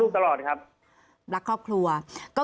คุณเอกวีสนิทกับเจ้าแม็กซ์แค่ไหนคะ